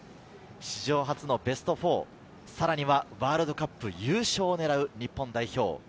史上初のベスト４、さらにはワールドカップ優勝を狙う日本代表。